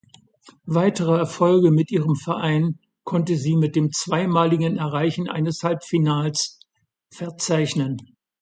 Weitere Erfolge mit ihrem Verein konnte sie mit dem zweimaligen Erreichen eines Halbfinales verzeichnen.